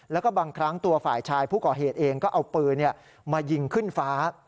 แล้วก็บางครั้งตัวฝ่ายชายผู้ก่อเหตุเองก็เอาปืนมายิงขึ้นฟ้า